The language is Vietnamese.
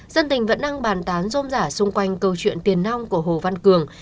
dân tình vẫn đang bàn tán rôm giả xung quanh câu chuyện tiền nông của hồ văn cường